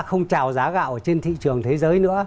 không trào giá gạo trên thị trường thế giới nữa